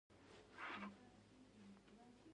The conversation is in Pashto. هېواد د مینې الهام دی.